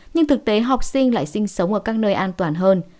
nhưng thực tế học sinh lại sinh sống ở các nơi an toàn hơn